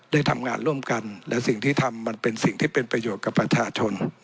ได้ทำงานร่วมกันและสิ่งที่ทำมันเป็นสิ่งที่เป็นประโยชน์กับประชาชน